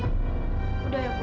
sudah ya bu